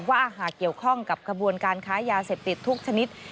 ว่าหากเกี่ยวข้องกับกระบวนการค้ายาเสพติดทุกชนิด